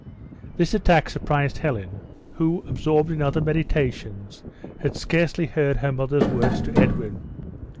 This attack surprised Helen, who, absorbed in other meditations, had scarcely heard her mother's words to Edwin.